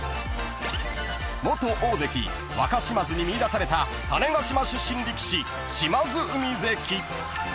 ［元大関若嶋津に見いだされた種子島出身力士島津海関］